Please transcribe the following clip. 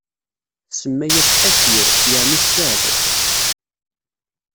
Tsemma-yas Acir, yeɛni sseɛd.